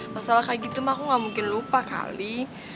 masalah kayak gitu mah aku gak mungkin lupa kali